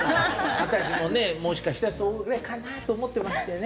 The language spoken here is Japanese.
私もねもしかしたらそれかな？と思ってましてね。